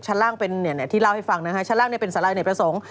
ชั้นล่างเป็นศรีแระที่เล่าให้ฟังนะนะคะชั้นล่างเป็นสาราอณิปเทราสก